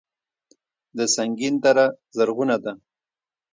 د سنګین دره زرغونه ده